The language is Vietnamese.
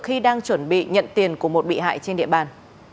khi đang chuẩn bị nhận tiền của một bị hại trên địa bàn